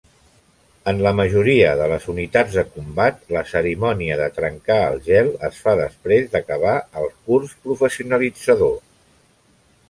En la majoria de les unitats de combat, la cerimònia de "trencar el gel" es fa després d'acabar el curs professionalitzador.